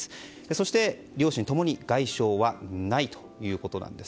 そして、両親ともに外傷はないということなんです。